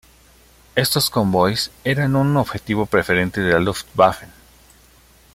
Estos convoyes eran un objetivo preferente de la Luftwaffe.